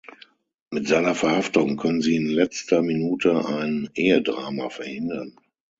Mit seiner Verhaftung können sie in letzter Minute ein Ehedrama verhindern.